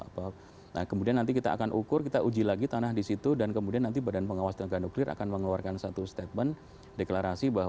apa nah kemudian nanti kita akan ukur kita uji lagi tanah disitu dan kemudian nanti badan pengawas tenaga nuklir akan mengeluarkan satu statement deklarasi bahwa